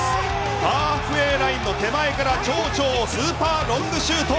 ハーフウェーラインの手前から手前から超超スーパーロングシュート。